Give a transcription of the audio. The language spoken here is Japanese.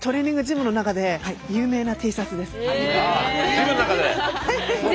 今ねジムの中で。